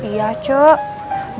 banyak banget cu komplain dari majikan